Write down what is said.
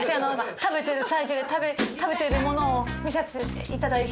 食べてる最中で食べてるものを見させていただいて。